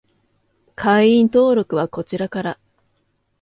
会員登録はこちらから